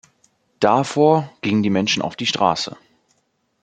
Davor gingen die Menschen auf die Straße.